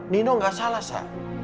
nino gak salah sa